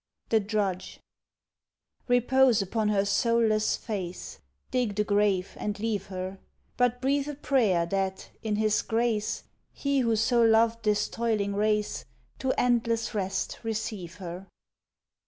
The Drudge Repose upon her soulless face, Dig the grave and leave her; But breathe a prayer that, in his grace, He who so loved this toiling race To endless rest receive her.